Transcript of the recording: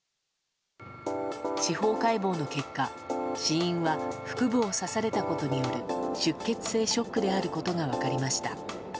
司法解剖の結果死因は腹部を刺されたことによる出血性ショックであることが分かりました。